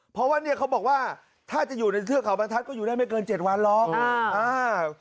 เพราะว่าเนี่ยเขาบอกว่าถ้าจะอยู่ในเทือกเขาบรรทัศน์ก็อยู่ได้ไม่เกิน๗วันหรอก